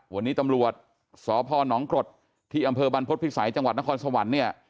วันนี้ตำรวจสพนกรดที่อำเภอบรรพฤษภิษัยจังหวัดนครสวรรค์เนี่ย